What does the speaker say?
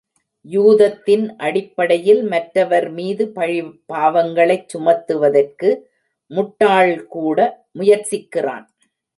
யூகத்தின் அடிப்படையில் மற்றவர் மீது பழி பாவங்களைச் சுமத்துவதற்கு முட்டாள்கூட முயற்சிக்கிறான்.